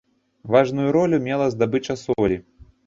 Важную ролю мела здабыча солі.